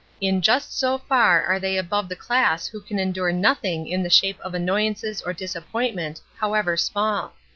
In just so far are they above the class who can endure nothing in the shape of annoyances or disappointment, however small.